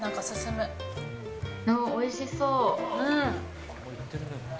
おいしそう。